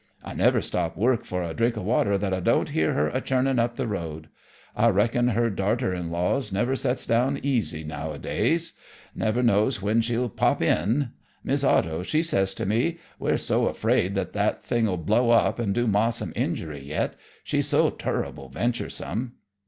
I never stop work for a drink o' water that I don't hear her a churnin' up the road. I reckon her darter in laws never sets down easy nowadays. Never know when she'll pop in. Mis' Otto, she says to me: 'We're so afraid that thing'll blow up and do Ma some injury yet, she's so turrible venturesome.'